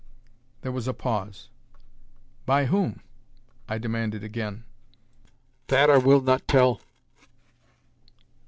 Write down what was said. There was a pause. "By whom?" I demanded again. "That I will not tell."